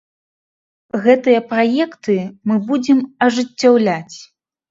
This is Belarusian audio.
Гэтыя праекты мы будзем ажыццяўляць.